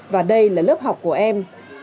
và đây là lớp học của em